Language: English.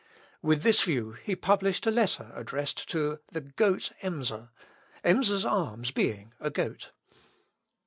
With this view he published a letter addressed to the "goat Emser," Emser's arms being a goat.